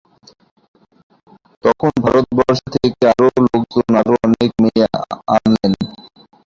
তখন ভারতবর্ষ থেকে আরও লোকজন, আরও অনেক মেয়ে আনলেন।